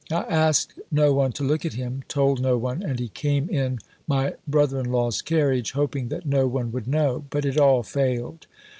I asked no one to look at him told no one and he came in my brother in law's carriage, hoping that no one would know. But it all failed.